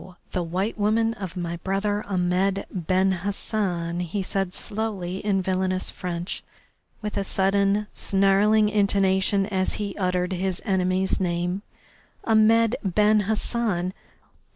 the white woman of my brother Ahmed Ben Hassan," he said slowly, in villainous French, with a sudden, snarling intonation as he uttered his enemy's name. "Ahmed Ben Hassan!